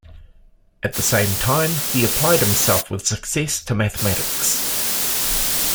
At the same time, he applied himself with success to mathematics.